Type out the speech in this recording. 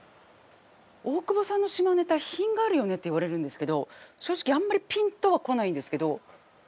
大久保さんの下ネタ品があるよねって言われるんですけど正直あんまりピンとは来ないんですけど。